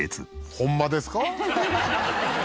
ホンマですか？